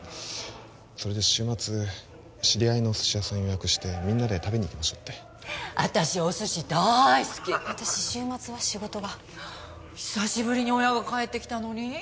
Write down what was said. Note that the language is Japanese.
それで週末知り合いのお寿司屋さん予約してみんなで食べに行きましょうって私お寿司だーい好き私週末は仕事が久しぶりに親が帰ってきたのに？